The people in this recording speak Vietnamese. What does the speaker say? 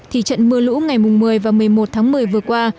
thị trận mưa lũ ngày mùng một mươi và một mươi một tháng một mươi vừa qua